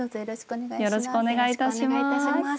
よろしくお願いします。